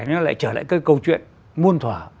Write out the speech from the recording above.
nó lại trở lại cái câu chuyện muôn thỏa